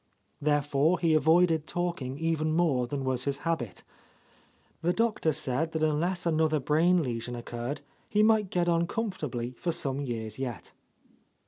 Therefore he avoided talking even more than was his habit. The doctor said that unless another brain lesion occurred, he might get on comfortably for some years yet.